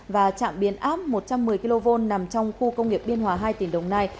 và trạm biến áp một trăm một mươi kv nằm trong khu công nghiệp biên hòa hai tỉnh đồng nai